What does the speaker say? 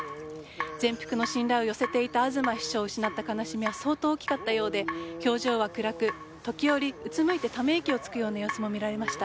全幅の信頼を寄せていた東秘書を失った悲しみは相当大きかったようで表情は暗く時折うつむいてため息をつくような様子も見られました。